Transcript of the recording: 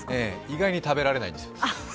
意外に食べられないんですよ。